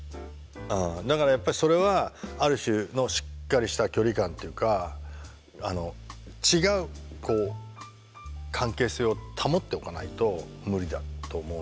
だからやっぱりそれはある種のしっかりした距離感というか違う関係性を保っておかないと無理だと思うんだよね。